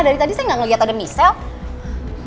dari tadi saya gak ngeliat ada michelle